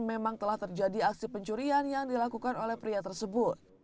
memang telah terjadi aksi pencurian yang dilakukan oleh pria tersebut